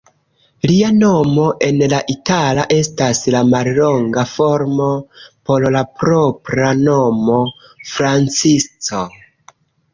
Lia nomo en la itala estas la mallonga formo por la propra nomo Francisco.